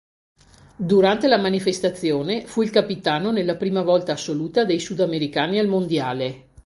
Durante la manifestazione fu il capitano nella prima volta assoluta dei sudamericani al mondiale.